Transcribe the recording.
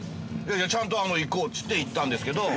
◆ちゃんと行こうって言って行ったんですけど。